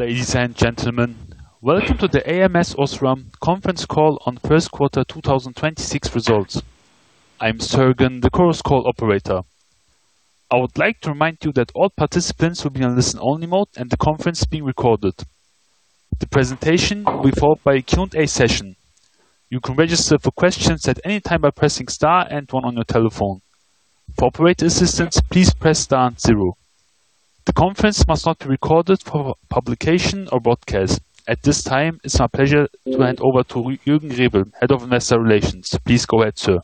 Ladies and gentlemen, welcome to the ams Osram conference call on first quarter 2026 results. I'm Sergen, the chorus call operator. I would like to remind you that all participants will be on listen-only mode, and the conference is being recorded. The presentation will be followed by a Q&A session. You can register for questions at any time by pressing star one on your telephone. For operator assistance, please press star zero. The conference must not be recorded for publication or broadcast. At this time, it's my pleasure to hand over to Juergen Rebel, Head of Investor Relations. Please go ahead, sir.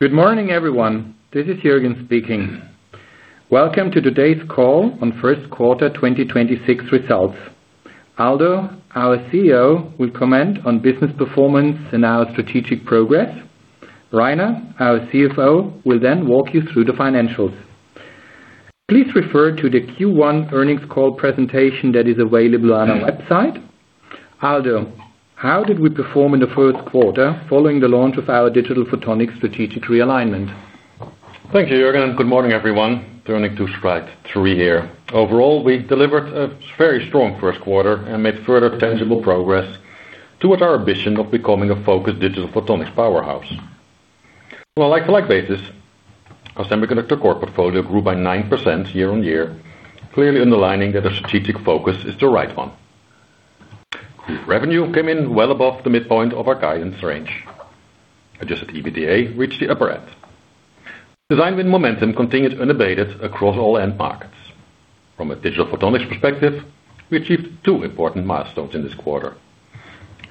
Good morning, everyone. This is Juergen speaking. Welcome to today's call on first quarter 2026 results. Aldo, our CEO, will comment on business performance and our strategic progress. Rainer, our CFO, will walk you through the financials. Please refer to the Q1 earnings call presentation that is available on our website. Aldo, how did we perform in the first quarter following the launch of our Digital Photonics strategic realignment? Thank you, Juergen. Good morning, everyone. Turning to slide three here. Overall, we delivered a very strong first quarter and made further tangible progress towards our ambition of becoming a focused Digital Photonics powerhouse. Well, like-for-like basis, our semiconductor core portfolio grew by 9% year-over-year, clearly underlining that our strategic focus is the right one. Group revenue came in well above the midpoint of our guidance range. Adjusted EBITDA reached the upper end. Design win momentum continued unabated across all end markets. From a Digital Photonics perspective, we achieved two important milestones in this quarter.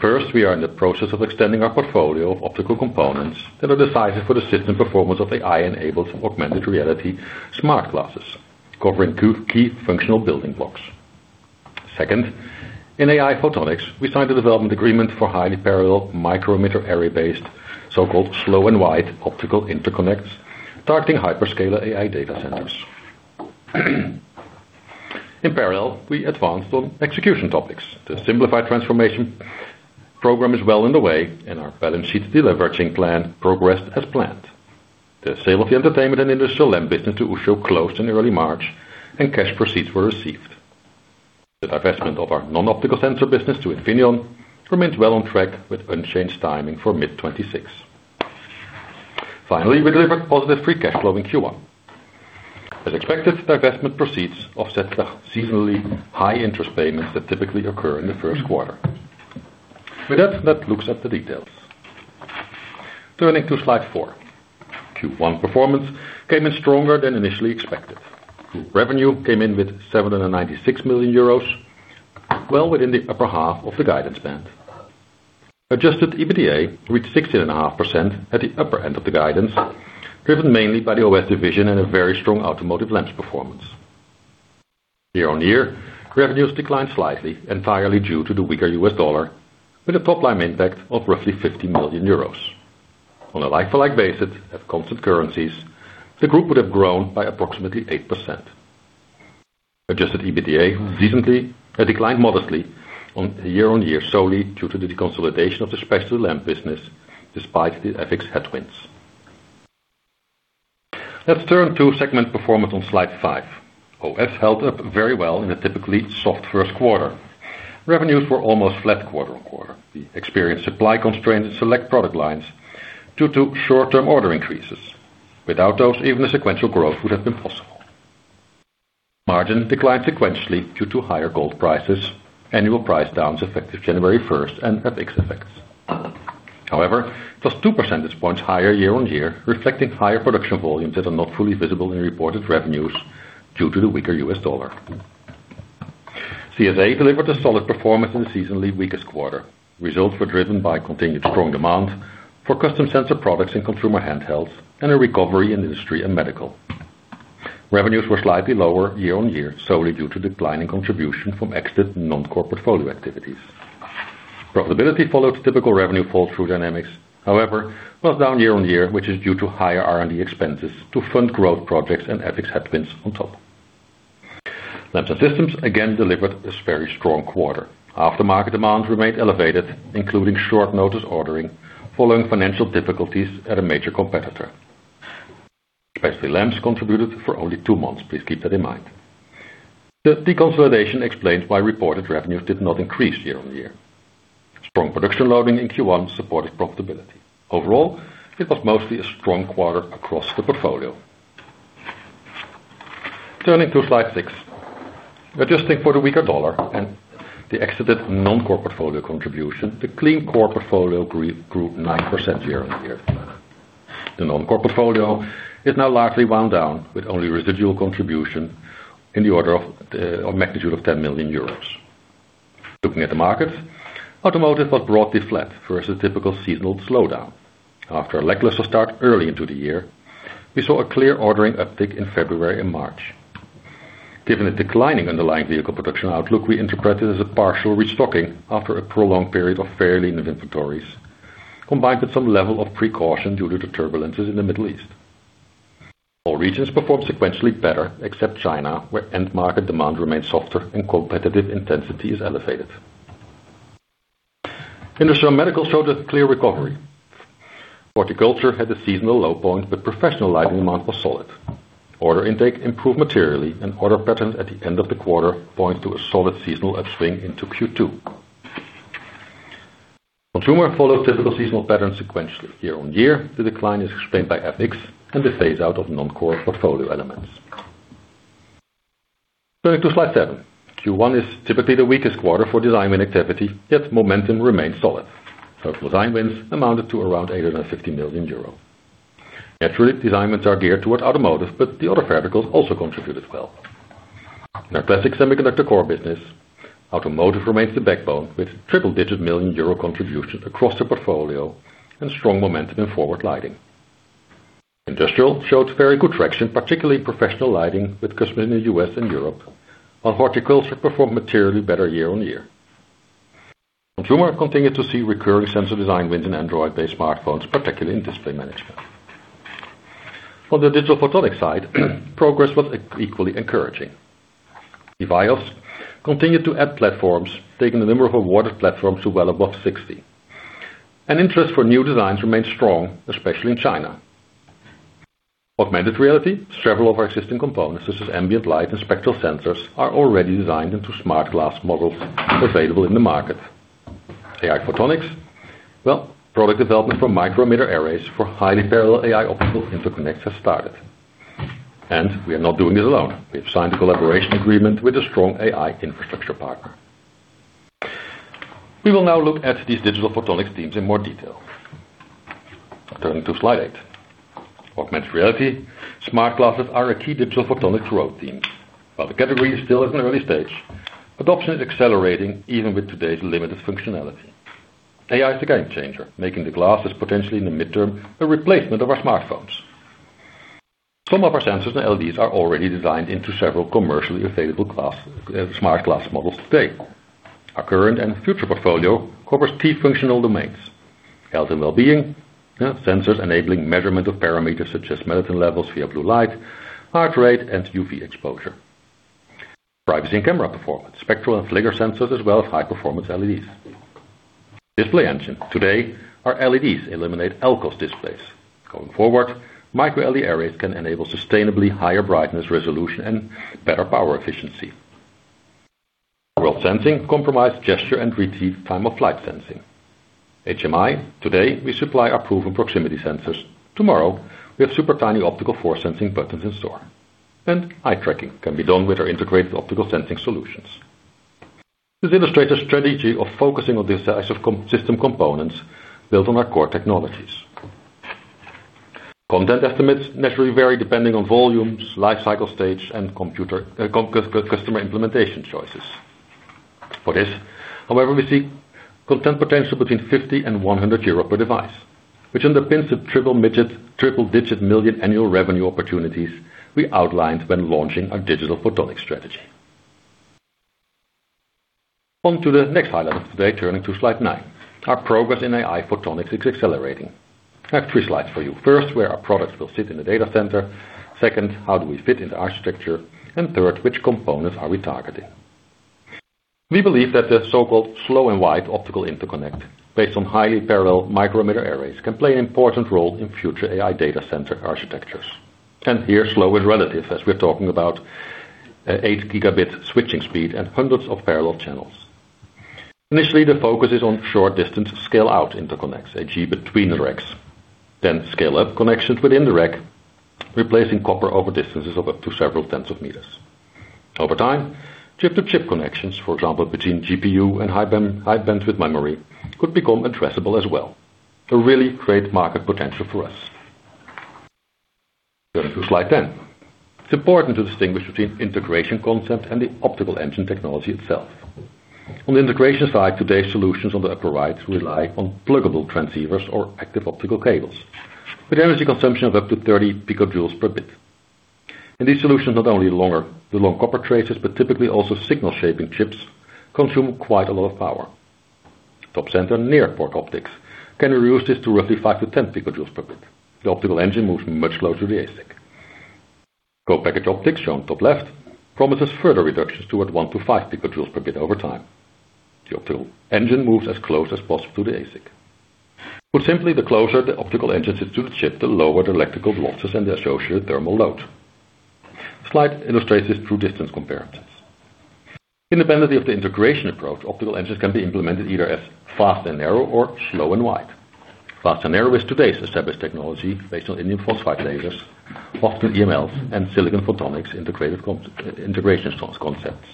First, we are in the process of extending our portfolio of optical components that are decisive for the system performance of AI-enabled augmented reality smart glasses, covering two key functional building blocks. Second, in AI photonics, we signed a development agreement for highly parallel micro-emitter array-based, so-called slow and wide optical interconnects, targeting hyperscaler AI data centers. In parallel, we advanced on execution topics. The Simplify transformation program is well underway, and our balance sheet deleveraging plan progressed as planned. The sale of the entertainment and industrial lamp business to Ushio closed in early March, and cash proceeds were received. The divestment of our non-optical sensor business to Infineon remains well on track with unchanged timing for mid-2026. Finally, we delivered positive free cash flow in Q1. As expected, divestment proceeds offset the seasonally high interest payments that typically occur in the first quarter. With that, let's look at the details. Turning to slide four. Q1 performance came in stronger than initially expected. Group revenue came in with 796 million euros, well within the upper half of the guidance band. Adjusted EBITDA reached 16.5% at the upper end of the guidance, driven mainly by the OS and a very strong automotive lens performance. Year-over-year, revenues declined slightly entirely due to the weaker U.S. dollar, with a top-line impact of roughly 50 million euros. On a like-for-like basis at constant currencies, the group would have grown by approximately 8%. Adjusted EBITDA declined modestly on a year-over-year, solely due to the deconsolidation of the specialty lamp business despite the FX headwinds. Let's turn to segment performance on slide five. OS held up very well in a typically soft 1st quarter. Revenues were almost flat quarter-over-quarter. We experienced supply constraints in select product lines due to short-term order increases. Without those, even a sequential growth would have been possible. Margin declined sequentially due to higher gold prices, annual price downs effective January 1st, and FX effects. Plus 2 percentage points higher year-on-year, reflecting higher production volumes that are not fully visible in reported revenues due to the weaker U.S. dollar. CSA delivered a solid performance in the seasonally weakest quarter. Results were driven by continued strong demand for custom sensor products in consumer handhelds and a recovery in industry and medical. Revenues were slightly lower year-on-year, solely due to declining contribution from exited non-core portfolio activities. Profitability followed typical revenue fall through dynamics. It was down year-on-year, which is due to higher R&D expenses to fund growth projects and FX headwinds on top. Lamps and Systems, again, delivered this very strong quarter. Aftermarket demand remained elevated, including short-notice ordering following financial difficulties at a major competitor. Specialty lamps contributed for only two months. Please keep that in mind. The deconsolidation explains why reported revenues did not increase year-over-year. Strong production loading in Q1 supported profitability. Overall, it was mostly a strong quarter across the portfolio. Turning to slide six. Adjusting for the weaker U.S. dollar and the exited non-core portfolio contribution, the clean core portfolio grew 9% year-over-year. The non-core portfolio is now largely wound down with only residual contribution in the order of a magnitude of 10 million euros. Looking at the markets, automotive was broadly flat versus typical seasonal slowdown. After a lackluster start early into the year, we saw a clear ordering uptick in February and March. Given a declining underlying vehicle production outlook, we interpret it as a partial restocking after a prolonged period of fairly lean inventories, combined with some level of precaution due to the turbulences in the Middle East. All regions performed sequentially better except China, where end market demand remains softer and competitive intensity is elevated. Industrial medical showed a clear recovery. Professional lighting demand was solid. Order patterns at the end of the quarter point to a solid seasonal upswing into Q2. Consumer followed typical seasonal patterns sequentially. year-over-year, the decline is explained by FX and the phase out of non-core portfolio elements. Turning to slide seven. Q1 is typically the weakest quarter for design win activity, yet momentum remains solid. Total design wins amounted to around 850 million euro. Naturally, design wins are geared towards automotive, but the other verticals also contributed well. In our classic semiconductor core business, automotive remains the backbone with triple-digit million EUR contribution across the portfolio and strong momentum in forward lighting. Industrial showed very good traction, particularly professional lighting with customers in the U.S. and Europe, while horticulture performed materially better year-on-year. Consumer continued to see recurring sensor design wins in Android-based smartphones, particularly in display management. On the Digital Photonics side, progress was equally encouraging. EVIYOS continued to add platforms, taking the number of awarded platforms to well above 60. Interest for new designs remains strong, especially in China. Augmented reality. Several of our existing components, such as ambient light and spectral sensors, are already designed into smart glass models available in the market. AI photonics. Well, product development for micro-emitter arrays for highly parallel AI optical interconnects has started. We are not doing it alone. We have signed a collaboration agreement with a strong AI infrastructure partner. We will now look at these Digital Photonics themes in more detail. Turning to slide eight. Augmented reality. Smart glasses are a key Digital Photonics growth theme. While the category is still in an early stage, adoption is accelerating even with today's limited functionality. AI is the game changer, making the glasses potentially in the midterm, a replacement of our smartphones. Some of our sensors and LEDs are already designed into several commercially available smart glass models today. Our current and future portfolio covers key functional domains: health and wellbeing, sensors enabling measurement of parameters such as melatonin levels via blue light, heart rate, and UV exposure. Privacy and camera performance, spectral and flicker sensors, as well as high-performance LEDs. Display engine. Today, our LEDs eliminate LCOS displays. Going forward, micro-LED arrays can enable sustainably higher brightness, resolution, and better power efficiency. Real-world sensing comprise gesture and 3D time-of-flight sensing. HMI. Today, we supply our proven proximity sensors. Tomorrow, we have super tiny optical force sensing buttons in store. Eye tracking can be done with our integrated optical sensing solutions. This illustrates the strategy of focusing on the size of system components built on our core technologies. Content estimates naturally vary depending on volumes, life cycle stage, and customer implementation choices. For this, however, we see content potential between 50 and 100 euro per device, which underpins the triple-digit million annual revenue opportunities we outlined when launching our Digital Photonics strategy. On to the next highlight of today, turning to slide nine. Our progress in AI photonics is accelerating. I have three slides for you. First, where our products will sit in the data center. Second, how do we fit into architecture? Third, which components are we targeting? We believe that the so-called slow and wide optical interconnect, based on highly parallel micro-emitter arrays, can play an important role in future AI data center architectures. Here, slow is relative, as we're talking about 8 gigabit switching speed and hundreds of parallel channels. Initially, the focus is on short distance scale-out interconnects, e.g., between the racks. Scale up connections within the rack, replacing copper over distances of up to several tens of meters. Over time, chip-to-chip connections, for example, between GPU and high bandwidth memory, could become addressable as well. A really great market potential for us. Turning to slide 10. It's important to distinguish between integration concept and the optical engine technology itself. On the integration side, today's solutions on the upper right rely on pluggable transceivers or active optical cables, with energy consumption of up to 30 picojoules per bit. These solutions, not only longer, the long copper traces, but typically also signal shaping chips consume quite a lot of power. Top center near-packaged optics can reduce this to roughly 5-10 picojoules per bit. The optical engine moves much closer to the ASIC. Co-packaged optics, shown top left, promises further reductions toward 1-5 picojoules per bit over time. The optical engine moves as close as possible to the ASIC. Put simply, the closer the optical engine sits to the chip, the lower the electrical losses and the associated thermal load. Slide illustrates this through distance comparisons. Independently of the integration approach, optical engines can be implemented either as fast and narrow or slow and wide. Fast and narrow is today's established technology based on indium phosphide lasers, often EMLs and silicon photonics integrated integration concepts.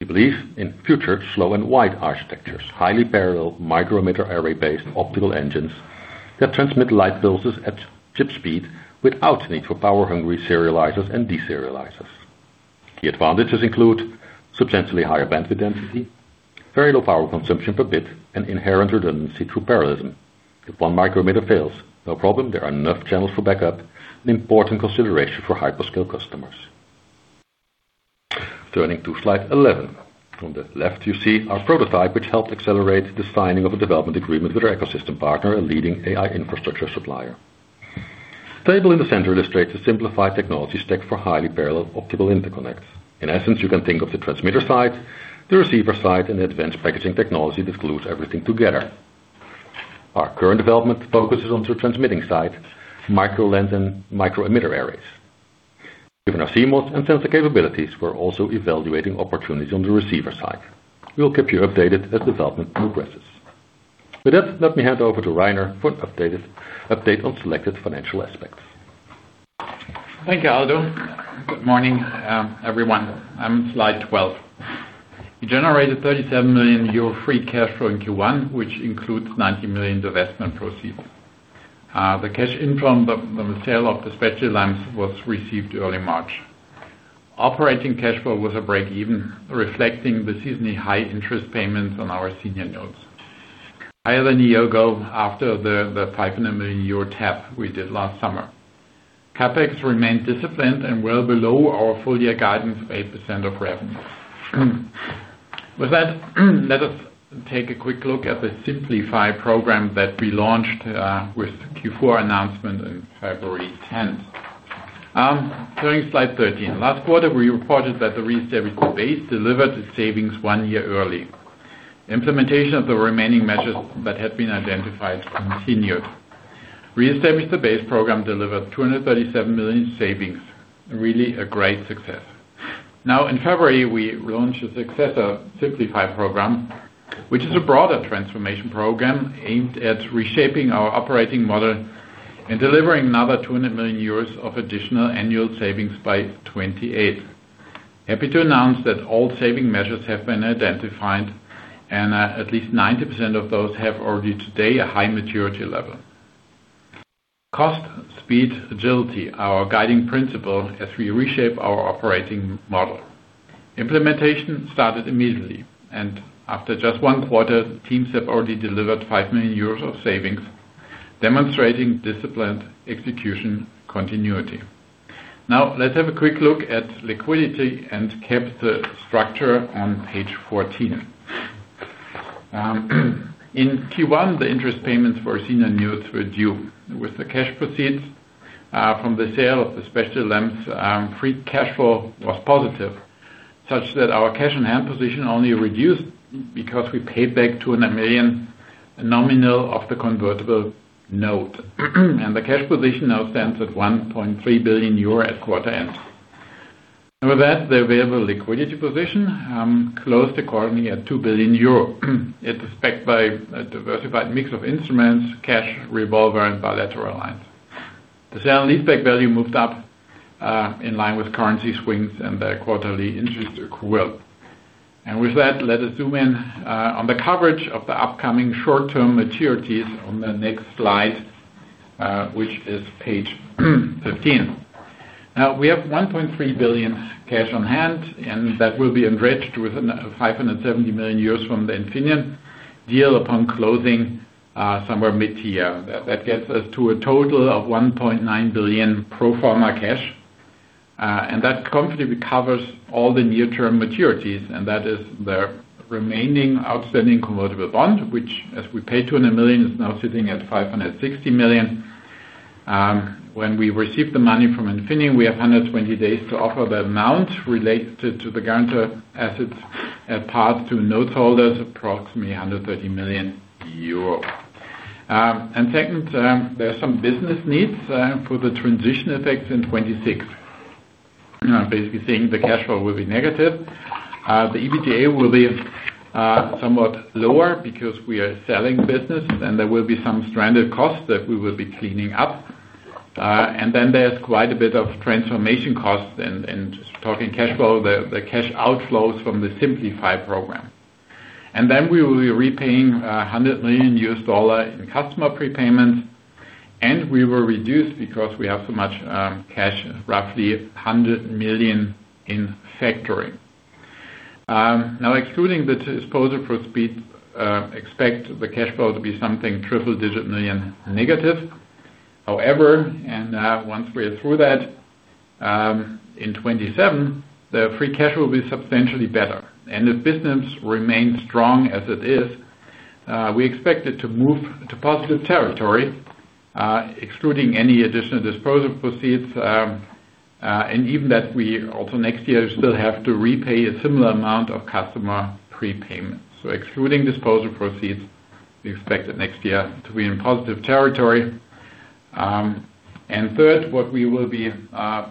We believe in future slow and wide architectures, highly parallel micro-emitter array-based optical engines that transmit light pulses at chip speed without need for power-hungry serializers and deserializers. The advantages include substantially higher bandwidth density, very low power consumption per bit, and inherent redundancy through parallelism. If one micro-emitter fails, no problem, there are enough channels for backup, an important consideration for hyperscale customers. Turning to slide 11. On the left you see our prototype, which helped accelerate the signing of a development agreement with our ecosystem partner, a leading AI infrastructure supplier. The table in the center illustrates the simplified technology stack for highly parallel optical interconnects. In essence, you can think of the transmitter side, the receiver side, and the advanced packaging technology that glues everything together. Our current development focuses on the transmitting side, micro lens and micro-emitter arrays. Given our CMOS and sensor capabilities, we're also evaluating opportunities on the receiver side. We'll keep you updated as development progresses. With that, let me hand over to Rainer for an update on selected financial aspects. Thank you, Aldo. Good morning, everyone. I'm slide 12. We generated 37 million euro free cash flow in Q1, which includes 90 million investment proceeds. The cash in from the sale of the specialty lens was received early March. Operating cash flow was a break even, reflecting the seasonally high interest payments on our senior notes. Higher than one year ago after the 500 million tab we did last summer. CapEx remained disciplined and well below our full year guidance of 8% of revenue. With that, let us take a quick look at the Simplify program that we launched with Q4 announcement in February 10th. Turning to slide 13. Last quarter, we reported that the Re-establish the Base delivered its savings one year early. Implementation of the remaining measures that had been identified continued. Re-establish the Base program delivered 237 million in savings. Really a great success. In February, we launched the successor Simplify program, which is a broader transformation program aimed at reshaping our operating model and delivering another 200 million euros of additional annual savings by 2028. Happy to announce that all saving measures have been identified, at least 90% of those have already today a high maturity level. Cost, speed, agility, our guiding principle as we reshape our operating model. Implementation started immediately, after just one quarter, teams have already delivered 5 million euros of savings, demonstrating disciplined execution continuity. Let's have a quick look at liquidity and capital structure on page 14. In Q1, the interest payments for senior notes were due. With the cash proceeds from the sale of the specialty lens, free cash flow was positive, such that our cash on hand position only reduced because we paid back 200 million nominal of the convertible note. The cash position now stands at 1.3 billion euro at quarter end. With that, the available liquidity position closed the quarter at 2 billion euro. It's backed by a diversified mix of instruments, cash, revolver, and bilateral lines. The sale and leaseback value moved up in line with currency swings and the quarterly interest accrual. With that, let us zoom in on the coverage of the upcoming short-term maturities on the next slide, which is page 13. We have 1.3 billion cash on hand, and that will be enriched with 570 million euros from the Infineon deal upon closing somewhere mid-year. That gets us to a total of 1.9 billion pro forma cash. That comfortably covers all the near-term maturities, and that is the remaining outstanding convertible bond, which as we paid 200 million, is now sitting at 560 million. When we receive the money from Infineon, we have 120 days to offer the amount related to the guarantor assets at par to note holders, approximately 130 million euro. Second, there are some business needs for the transition effects in 2026. Basically saying the cash flow will be negative. The EBITDA will be somewhat lower because we are selling business and there will be some stranded costs that we will be cleaning up. There's quite a bit of transformation costs and talking cash flow, the cash outflows from the Simplify program. We will be repaying $100 million in customer prepayments, and we will reduce because we have so much cash, roughly 100 million in factory. Now excluding the disposal proceeds, expect the cash flow to be something triple digit million negative. However, once we are through that, in 2027, the free cash will be substantially better. If business remains strong as it is, we expect it to move to positive territory, excluding any additional disposal proceeds, and even that we also next year still have to repay a similar amount of customer prepayments. Excluding disposal proceeds, we expect that next year to be in positive territory. Third, what we will be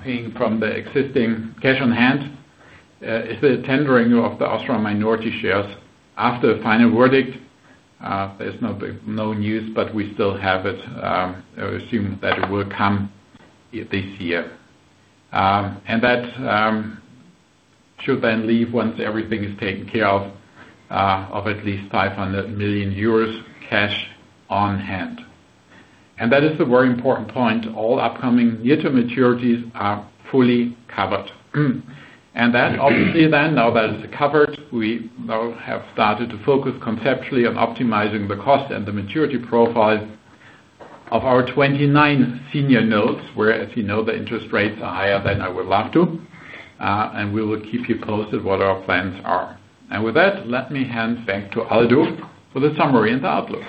paying from the existing cash on hand, is the tendering of the Austria minority shares after final verdict. There's no news, but we still have it, assuming that it will come this year. That should then leave once everything is taken care of at least 500 million euros cash on hand. That is a very important point. All upcoming near-term maturities are fully covered. That obviously then, now that is covered, we now have started to focus conceptually on optimizing the cost and the maturity profile of our 2029 senior notes, where as you know, the interest rates are higher than I would like to. We will keep you posted what our plans are. With that, let me hand back to Aldo for the summary and the outlook.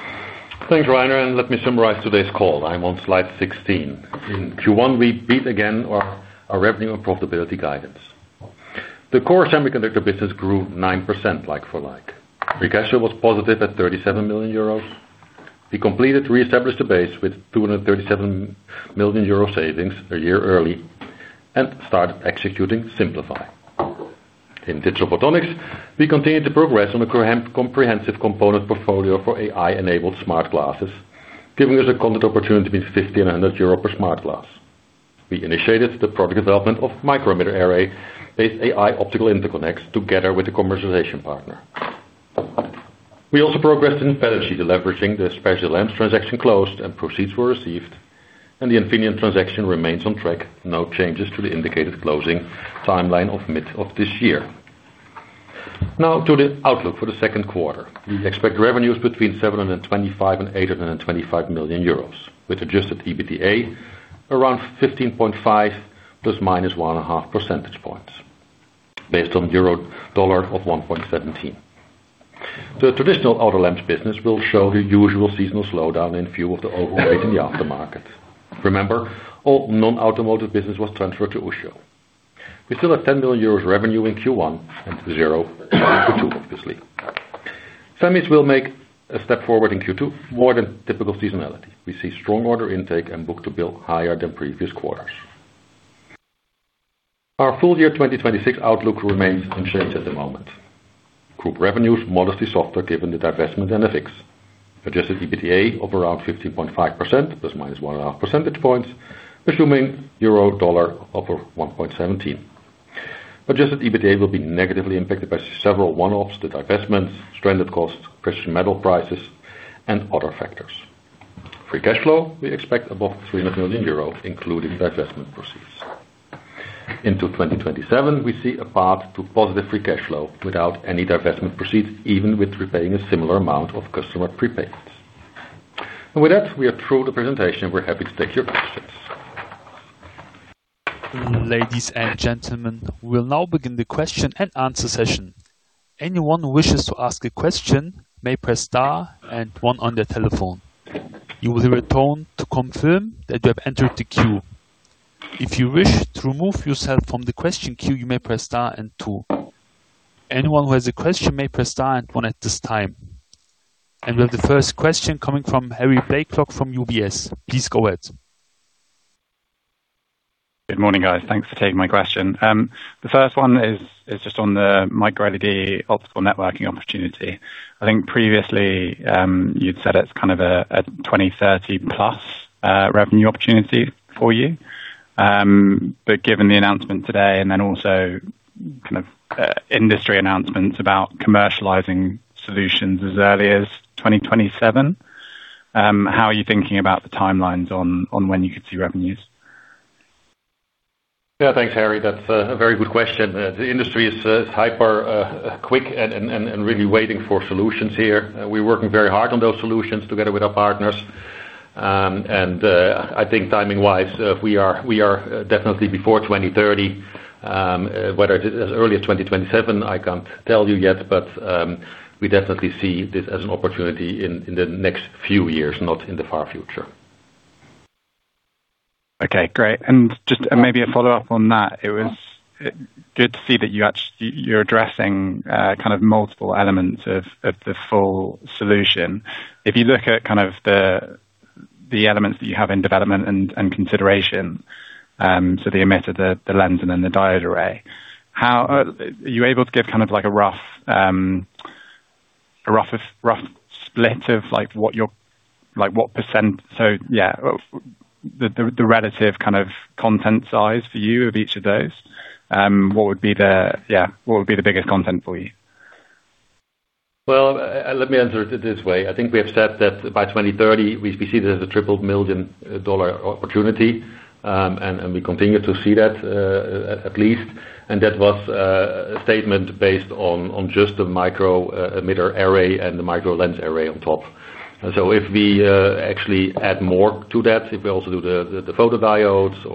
Thanks, Rainer, let me summarize today's call. I am on slide 16. In Q1, we beat again our revenue and profitability guidance. The core semiconductor business grew 9% like for like. Free cash flow was positive at 37 million euros. We completed Re-establish the Base with 237 million euro savings a year early and started executing Simplify. In Digital Photonics, we continued to progress on a comprehensive component portfolio for AI-enabled smart glasses, giving us a content opportunity between 50 and 100 euro per smart glass. We initiated the product development of micro-emitter array with AI optical interconnects together with the commercialization partner. We also progressed in efficiency, leveraging the special lamps transaction closed and proceeds were received, and the Infineon transaction remains on track. No changes to the indicated closing timeline of mid of this year. Now to the outlook for the second quarter. We expect revenues between 725 million and 825 million euros, with adjusted EBITDA around 15.5 ± 1.5 percentage points based on EUR/USD of 1.17. The traditional auto lamps business will show the usual seasonal slowdown in few of the OEM and the aftermarket. Remember, all non-automotive business was transferred to Ushio. We still have 10 million euros revenue in Q1 and zero in Q2, obviously. Semis will make a step forward in Q2, more than typical seasonality. We see strong order intake and book-to-bill higher than previous quarters. Our full year 2026 outlook remains unchanged at the moment. Group revenues modestly softer given the divestment and FX. Adjusted EBITDA of around 15.5% ±1.5 percentage points, assuming EUR/USD of 1.17. Adjusted EBITDA will be negatively impacted by several one-offs, the divestments, stranded costs, precious metal prices, and other factors. Free cash flow we expect above 300 million euro, including divestment proceeds. Into 2027, we see a path to positive free cash flow without any divestment proceeds, even with repaying a similar amount of customer prepayments. With that, we are through the presentation. We're happy to take your questions. Ladies and gentlemen, we will now begin the Question and Answer session. Anyone who wishes to ask a question may press star and one on their telephone. You will hear a tone to confirm that you have entered the queue. If you wish to remove yourself from the question queue, you may press star and two. Anyone who has a question may press star and one at this time. With the first question coming from Harry Blaiklock from UBS. Please go ahead. Good morning, guys. Thanks for taking my question. The first one is just on the micro-LED optical networking opportunity. I think previously, you'd said it's kind of a 2030 plus revenue opportunity for you. Given the announcement today and then also kind of, industry announcements about commercializing solutions as early as 2027, how are you thinking about the timelines on when you could see revenues? Yeah. Thanks, Harry. That's a very good question. The industry is hyper quick and really waiting for solutions here. We're working very hard on those solutions together with our partners. I think timing-wise, we are definitely before 2030, whether it is as early as 2027, I can't tell you yet, but we definitely see this as an opportunity in the next few years, not in the far future. Okay, great. Just maybe a follow-up on that. It was good to see that you're addressing kind of multiple elements of the full solution. If you look at kind of the elements that you have in development and consideration, so the emitter, the lens, and then the diode array, Are you able to give kind of like a rough split of Like what percent The relative kind of content size for you of each of those, what would be the biggest content for you? Well, let me answer it this way. I think we have said that by 2030, we see this as a triple million dollar opportunity, and we continue to see that at least. That was a statement based on just the micro-emitter array and the micro-lens array on top. If we actually add more to that, if we also do the photodiodes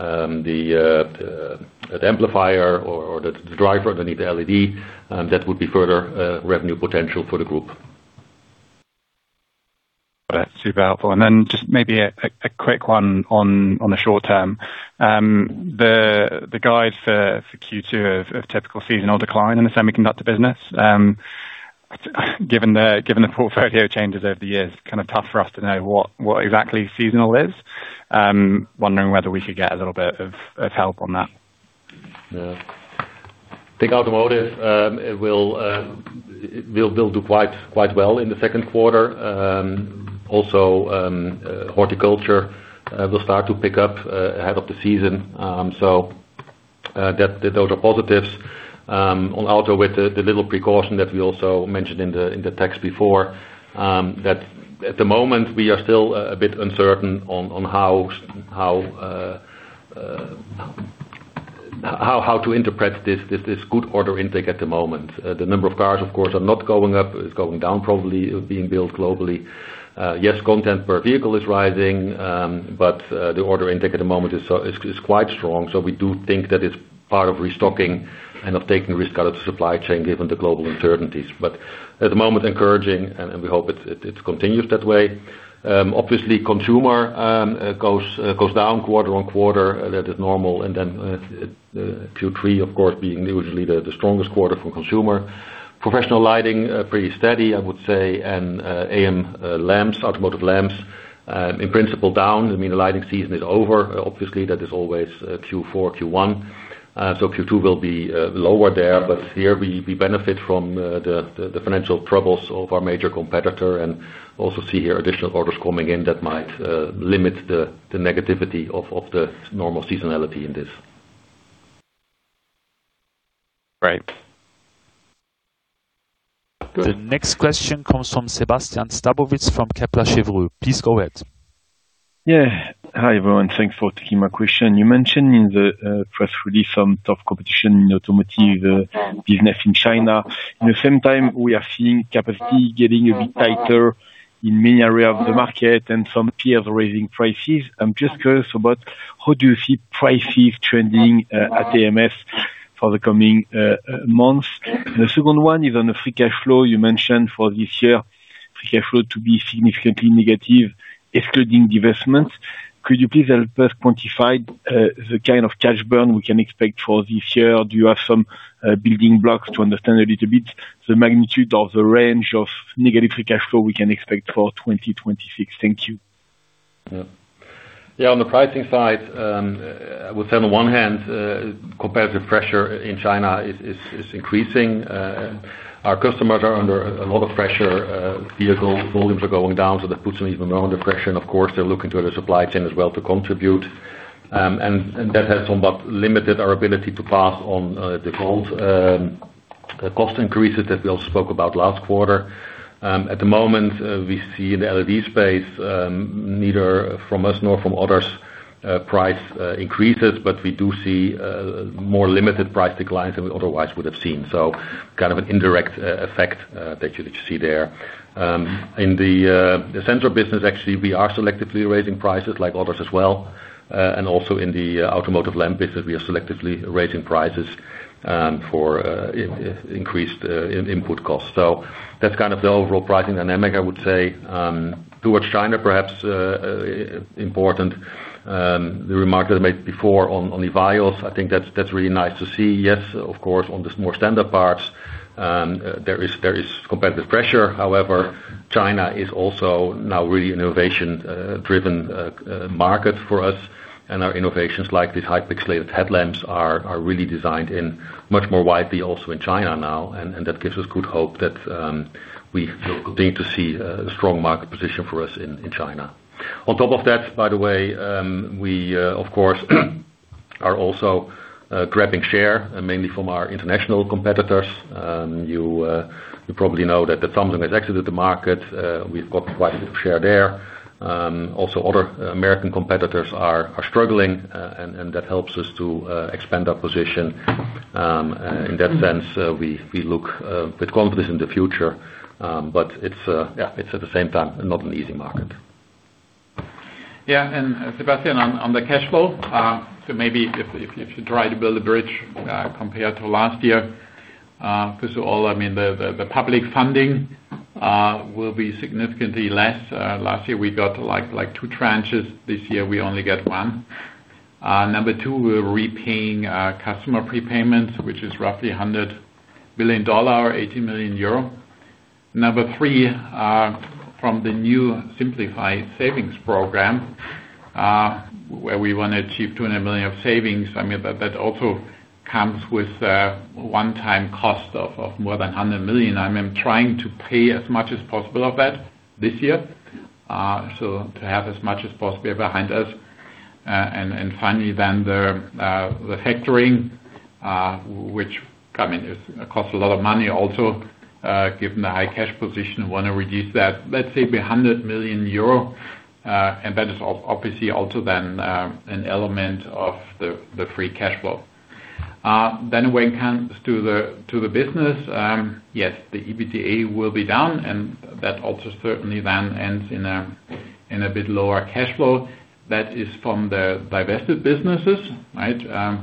or the amplifier or the driver, they need the LED, that would be further revenue potential for the group. That's super helpful. Just maybe a quick one on the short term. The guide for Q2 of typical seasonal decline in the semiconductor business, given the portfolio changes over the years, kind of tough for us to know what exactly seasonal is. Wondering whether we could get a little bit of help on that. I think automotive, it will do quite well in the second quarter. Horticulture will start to pick up ahead of the season. Those are positives on auto with the little precaution that we also mentioned in the text before, that at the moment we are still a bit uncertain on how to interpret this good order intake at the moment. The number of cars of course are not going up. It is going down, probably being built globally. Yes, content per vehicle is rising, the order intake at the moment is quite strong. We do think that it is part of restocking and of taking risk out of supply chain given the global uncertainties. At the moment encouraging, and we hope it continues that way. Obviously consumer goes down quarter-on-quarter. That is normal. Q3, of course, being usually the strongest quarter for consumer. Professional lighting pretty steady, I would say. Automotive lamps in principle down. I mean, the lighting season is over. Obviously, that is always Q4, Q1. Q2 will be lower there. Here we benefit from the financial troubles of our major competitor and also see here additional orders coming in that might limit the negativity of the normal seasonality in this. Right. The next question comes from Sébastien Sztabowicz from Kepler Cheuvreux. Please go ahead. Yeah. Hi, everyone. Thanks for taking my question. You mentioned in the press release some tough competition in automotive business in China. In the same time, we are seeing capacity getting a bit tighter in many area of the market and some peers raising prices. I'm just curious about how do you see prices trending at ams for the coming months? The second one is on the free cash flow. You mentioned for this year, free cash flow to be significantly negative excluding divestments. Could you please help us quantify the kind of cash burn we can expect for this year? Do you have some building blocks to understand a little bit the magnitude of the range of negative free cash flow we can expect for 2026? Thank you. On the pricing side, I would say on the one hand, competitive pressure in China is increasing. Our customers are under a lot of pressure. Vehicle volumes are going down, that puts them even more under pressure. Of course, they're looking to the supply chain as well to contribute. That has somewhat limited our ability to pass on the gold cost increases that we also spoke about last quarter. At the moment, we see in the LED space neither from us nor from others price increases, we do see more limited price declines than we otherwise would have seen. Kind of an indirect effect that you see there. In the sensor business actually we are selectively raising prices like others as well. And also in the automotive lamp business we are selectively raising prices for increased input costs. That's kind of the overall pricing dynamic, I would say. Towards China, perhaps, important, the remark that I made before on EVIYOS, I think that's really nice to see. Yes, of course, on the more standard parts, there is competitive pressure. However, China is also now really innovation driven market for us. And our innovations, like these high-pixelated headlamps, are really designed in much more widely also in China now. And that gives us good hope that we continue to see a strong market position for us in China. On top of that, by the way, we, of course, are also grabbing share, mainly from our international competitors. You, you probably know that Lumileds has exited the market. We've got quite a bit of share there. Also other American competitors are struggling, and that helps us to expand our position. In that sense, we look with confidence in the future. It's, yeah, it's at the same time not an easy market. Sébastien, on the cash flow, maybe if you try to build a bridge compared to last year, first of all, the public funding will be significantly less. Last year we got two tranches. This year we only get one. Number two, we're repaying customer prepayments, which is roughly $100 million, EUR 80 million. Number three, from the new Simplify savings program, where we want to achieve 200 million of savings. That also comes with a one-time cost of more than 100 million. I'm trying to pay as much as possible of that this year, so to have as much as possible behind us. Finally then the factoring, which, I mean, costs a lot of money also, given the high cash position, wanna reduce that, let's say, 100 million euro, and that is obviously also then an element of the free cash flow. When it comes to the business, yes, the EBITDA will be down, and that also certainly then ends in a bit lower cash flow. That is from the divested businesses, right?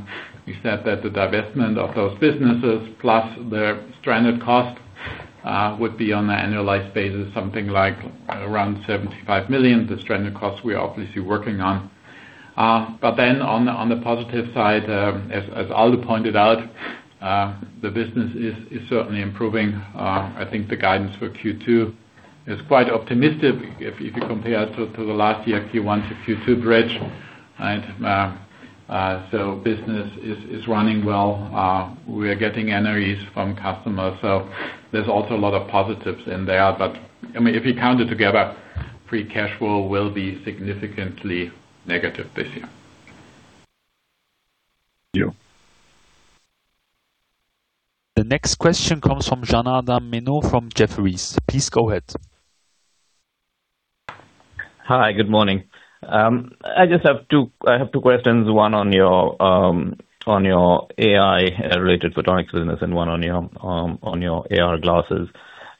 We said that the divestment of those businesses plus the stranded costs would be on an annualized basis, something like around 75 million. The stranded costs we are obviously working on. On the positive side, as Aldo pointed out, the business is certainly improving. I think the guidance for Q2 is quite optimistic if you compare to the last year Q1 to Q2 bridge, right? Business is running well. We are getting NREs from customers, so there's also a lot of positives in there. I mean, if you count it together, free cash flow will be significantly negative this year. Thank you. The next question comes from Janardan Menon from Jefferies. Please go ahead. Hi, good morning. I just have two questions. One on your AI-related photonics business and one on your AR glasses.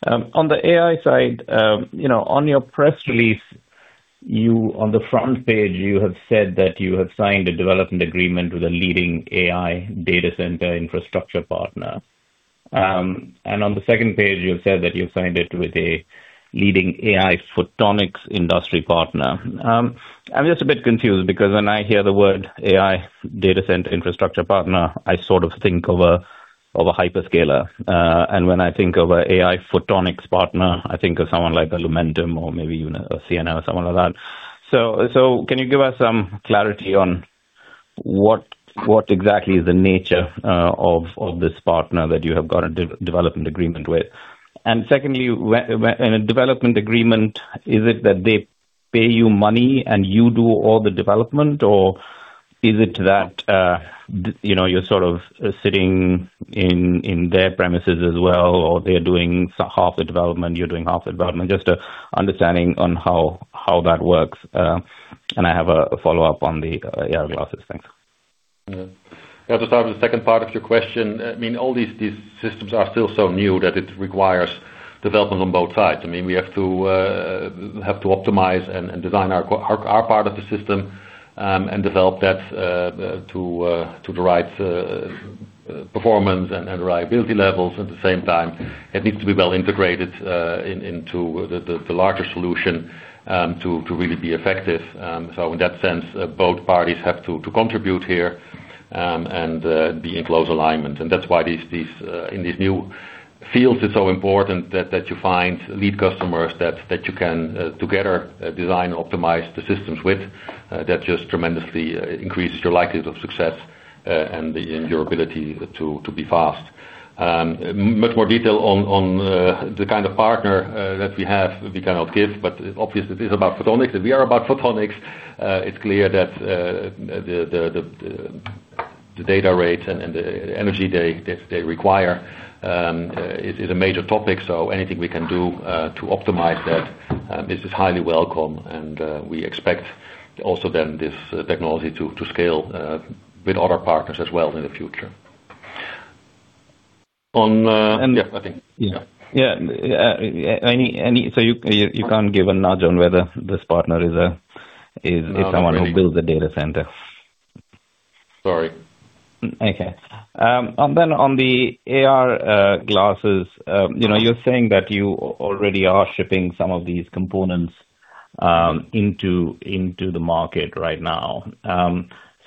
On the AI side, you know, on your press release, on the front page, you have said that you have signed a development agreement with a leading AI data center infrastructure partner. And on the second page, you have said that you've signed it with a leading AI photonics industry partner. I'm just a bit confused because when I hear the word AI data center infrastructure partner, I sort of think of a hyperscaler. And when I think of a AI photonics partner, I think of someone like a Lumentum or maybe even a Ciena or someone like that. Can you give us some clarity on what exactly is the nature of this partner that you have got a development agreement with? Secondly, when a development agreement, is it that they pay you money and you do all the development, or is it that, you know, you're sort of sitting in their premises as well, or they're doing half the development, you're doing half the development? Just an understanding on how that works. I have a follow-up on the AR glasses. Thanks. To start with the second part of your question, I mean, all these systems are still so new that it requires development on both sides. I mean, we have to optimize and design our part of the system and develop that to the right performance and reliability levels. At the same time, it needs to be well integrated into the larger solution to really be effective. So in that sense, both parties have to contribute here and be in close alignment. That's why these in these new fields, it's so important that you find lead customers that you can together design, optimize the systems with. That just tremendously increases your likelihood of success and in your ability to be fast. Much more detail on the kind of partner that we have, we cannot give, but obviously it is about photonics. If we are about photonics, it's clear that the data rate and the energy they require is a major topic. Anything we can do to optimize that is highly welcome. We expect also then this technology to scale with other partners as well in the future. And- Yeah, I think. Yeah. Yeah. You can't give a nudge on whether this partner is a, is someone- No. Who builds the data center? Sorry. Okay. On the AR glasses, you know, you are saying that you already are shipping some of these components into the market right now.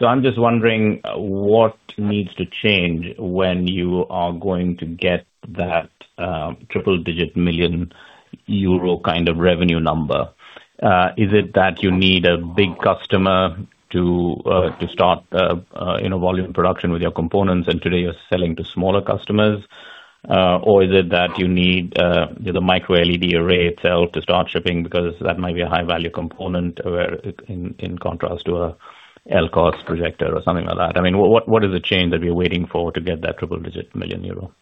I am just wondering what needs to change when you are going to get that triple digit million euro kind of revenue number. Is it that you need a big customer to start, you know, volume production with your components, and today you are selling to smaller customers? Or is it that you need the micro-LED array itself to start shipping because that might be a high value component where in contrast to an LCOS projector or something like that? I mean, what is the change that we are waiting for to get that triple digit million euro?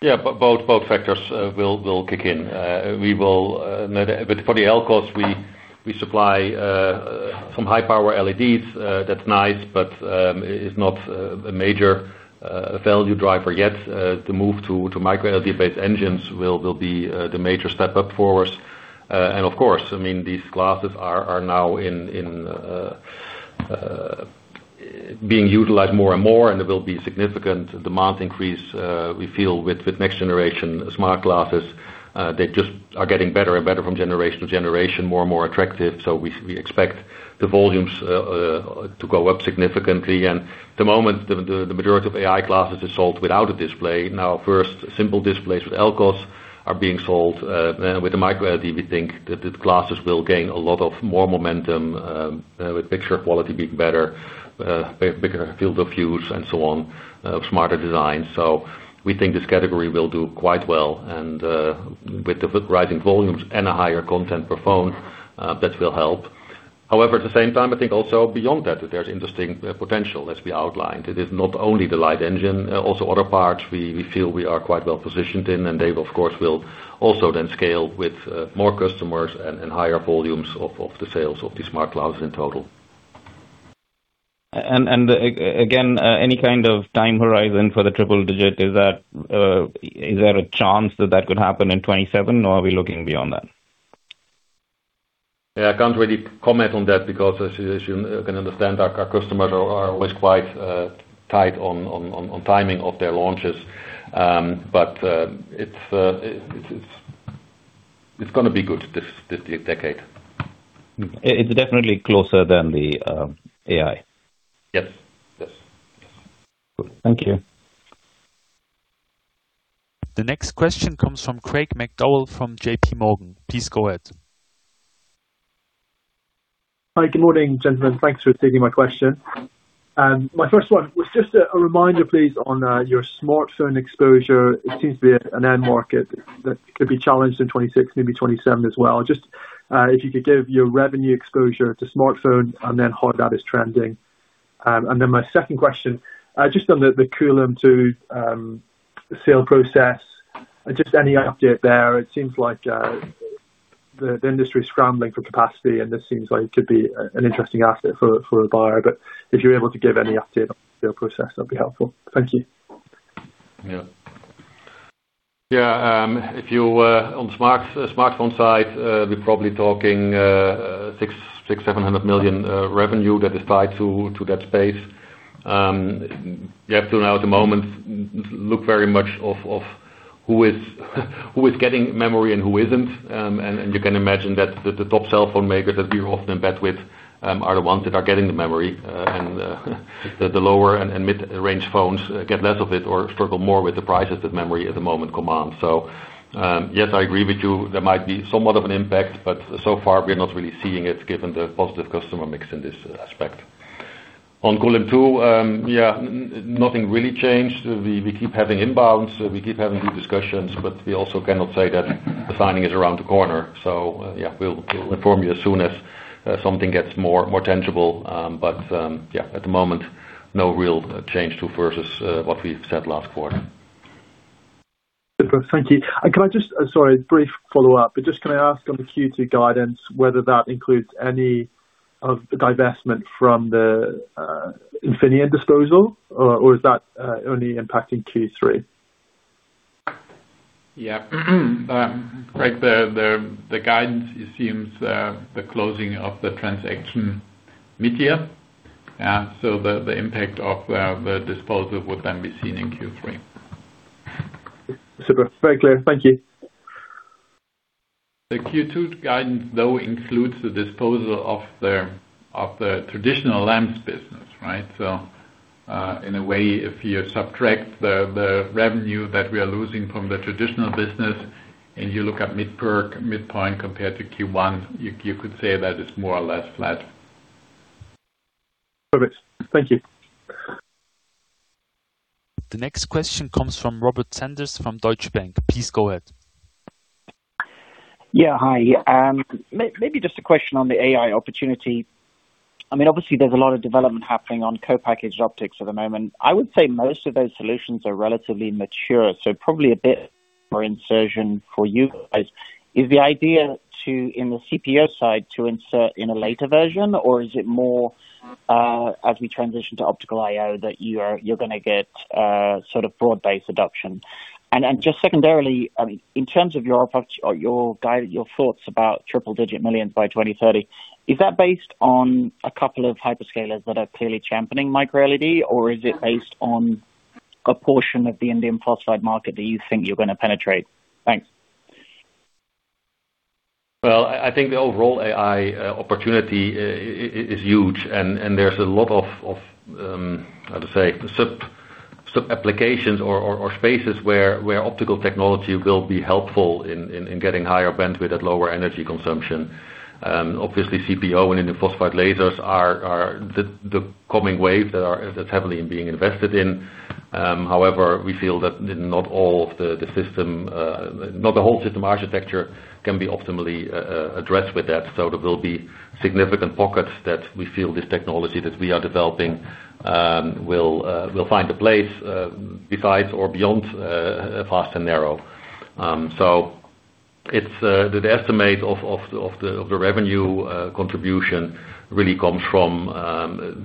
Yeah. Both factors will kick in. We will, but for the LCOS we supply some high power LEDs. That's nice, but it's not a major value driver yet. The move to micro-LED-based engines will be the major step up for us. Of course, I mean, these glasses are now in being utilized more and more and there will be significant demand increase, we feel with next generation smart glasses. They just are getting better and better from generation to generation, more and more attractive. We expect the volumes to go up significantly. At the moment, the majority of AI glasses is sold without a display. Now first, simple displays with LCOS are being sold. With the micro-LED, we think that the glasses will gain a lot of more momentum, with picture quality being better, bigger field of views and so on, smarter design. We think this category will do quite well, with the rising volumes and a higher content per phone, that will help. However, at the same time, I think also beyond that, there's interesting potential as we outlined. It is not only the light engine, also other parts we feel we are quite well positioned in, and they of course will also then scale with more customers and higher volumes of the sales of the smart glasses in total. Again, any kind of time horizon for the triple digit? Is that, is there a chance that that could happen in 2027 or are we looking beyond that? Yeah, I can't really comment on that because as you can understand, our customers are always quite tight on timing of their launches. It's gonna be good this decade. It's definitely closer than the AI. Yes. Yes. Thank you. The next question comes from Craig McDowell from JPMorgan. Please go ahead. Hi, good morning, gentlemen. Thanks for taking my question. My first one was just a reminder, please, on your smartphone exposure. It seems to be an end market that could be challenged in 2026, maybe 2027 as well. Just if you could give your revenue exposure to smartphone and then how that is trending. My second question just on the Kulim 2 sale process. Just any update there? It seems like the industry's scrambling for capacity, and this seems like it could be an interesting asset for a buyer. If you're able to give any update on the sale process, that'd be helpful. Thank you. Yeah. Yeah, if you on smartphone side, we're probably talking 600-700 million revenue that is tied to that space. We have to now at the moment look very much of who is getting memory and who isn't. You can imagine that the top cell phone makers that we often bet with are the ones that are getting the memory. The lower and mid-range phones get less of it or struggle more with the prices that memory at the moment command. Yes, I agree with you. There might be somewhat of an impact, but so far we're not really seeing it given the positive customer mix in this aspect. On Kulim 2, yeah, nothing really changed. We keep having inbounds, we keep having good discussions. We also cannot say that the signing is around the corner. We'll inform you as soon as something gets more tangible. At the moment, no real change to versus what we've said last quarter. Super. Thank you. Can I just Sorry, brief follow-up. Just can I ask on the Q2 guidance whether that includes any of the divestment from the Infineon disposal, or is that only impacting Q3? Yeah. Like the guidance assumes the closing of the transaction mid-year. The impact of the disposal would then be seen in Q3. Super. Very clear. Thank you. The Q2 guidance includes the disposal of the traditional lamps business, right? In a way, if you subtract the revenue that we are losing from the traditional business, and you look at midpoint compared to Q1, you could say that it's more or less flat. Perfect. Thank you. The next question comes from Robert Sanders from Deutsche Bank. Please go ahead. Yeah, hi. Maybe just a question on the AI opportunity. I mean, obviously there's a lot of development happening on co-packaged optics at the moment. I would say most of those solutions are relatively mature, probably a bit more insertion for you guys. Is the idea to, in the CPO side, to insert in a later version, or is it more, as we transition to optical I/O, that you're gonna get sort of broad-based adoption? Just secondarily, in terms of your thoughts about triple-digit millions by 2030, is that based on a couple of hyperscalers that are clearly championing micro-LED, or is it based on a portion of the indium phosphide market that you think you're gonna penetrate? Thanks. Well, I think the overall AI opportunity is huge and there's a lot of how to say, sub applications or spaces where optical technology will be helpful in getting higher bandwidth at lower energy consumption. Obviously CPO and indium phosphide lasers are the coming wave that's heavily being invested in. However, we feel that not all of the system, not the whole system architecture can be optimally addressed with that. There will be significant pockets that we feel this technology that we are developing will find a place besides or beyond fast and narrow. It's the estimate of the revenue contribution really comes from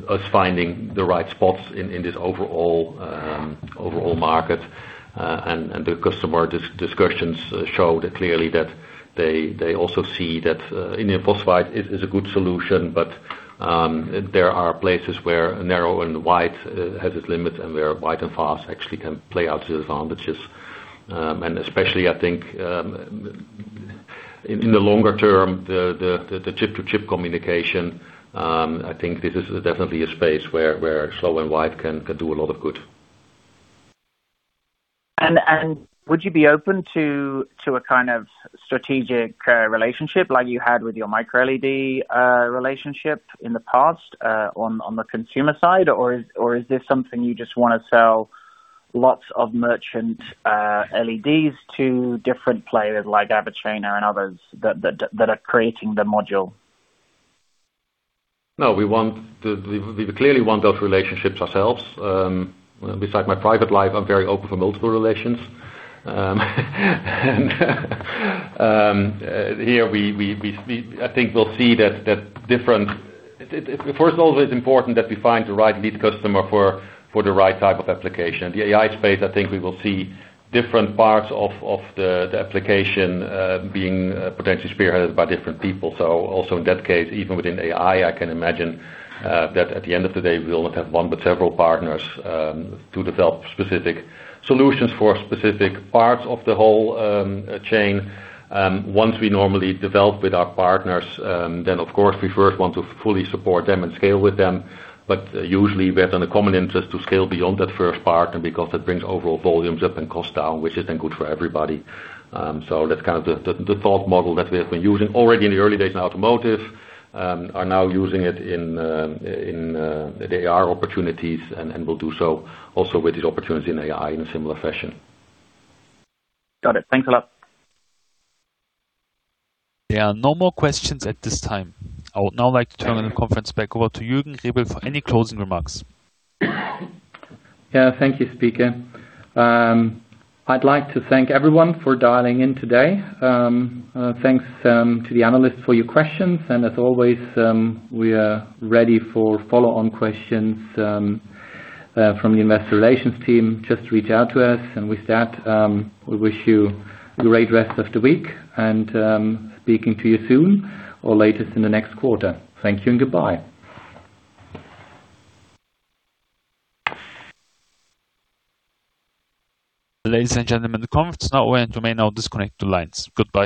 us finding the right spots in this overall market. The customer discussions show that clearly that they also see that indium phosphide is a good solution, but there are places where narrow and wide has its limits and where wide and fast actually can play out to the advantages. Especially I think in the longer term, the chip-to-chip communication, I think this is definitely a space where slow and wide can do a lot of good. Would you be open to a kind of strategic relationship like you had with your micro-LED relationship in the past on the consumer side? Or is this something you just wanna sell lots of merchant LEDs to different players like Avicena and others that are creating the module? No, we clearly want those relationships ourselves. Beside my private life, I'm very open for multiple relations. First of all, it's important that we find the right lead customer for the right type of application. The AI space, I think we will see different parts of the application being potentially spearheaded by different people. Also in that case, even within AI, I can imagine that at the end of the day we'll not have one but several partners to develop specific solutions for specific parts of the whole chain. Once we normally develop with our partners, of course we first want to fully support them and scale with them. Usually we have a common interest to scale beyond that first part and because it brings overall volumes up and cost down, which is then good for everybody. That's kind of the thought model that we have been using already in the early days in automotive, are now using it in the AR opportunities and will do so also with this opportunity in AI in a similar fashion. Got it. Thanks a lot. There are no more questions at this time. I would now like to turn the conference back over to Juergen Rebel for any closing remarks. Yeah. Thank you, speaker. I'd like to thank everyone for dialing in today. Thanks to the analysts for your questions. As always, we are ready for follow-on questions from the investor relations team. Just reach out to us. With that, we wish you a great rest of the week and speaking to you soon or latest in the next quarter. Thank you and goodbye. Ladies and gentlemen, the conference is now end. You may now disconnect the lines. Goodbye.